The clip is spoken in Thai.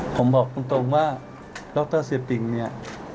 ผมบอกตรงตรงว่าล็อตเตอร์เสียปิงเนี่ย